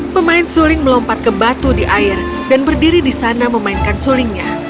pemain suling melompat ke batu di air dan berdiri di sana memainkan sulingnya